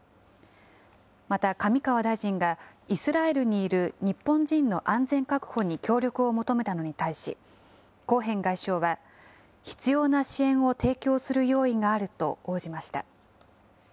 また上川大臣が、イスラエルにいる日本人の安全確保に協力を求めたのに対し、コーヘン外相は、必要な支援を提供する用意があると応じました。